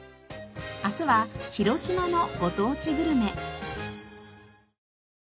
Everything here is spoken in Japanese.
明日は広島のご当地グルメ。